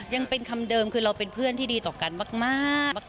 ยังเป็นคำเดิมคือเราเป็นเพื่อนที่ดีต่อกันมาก